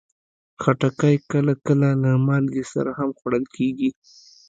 خټکی کله کله له مالګې سره هم خوړل کېږي.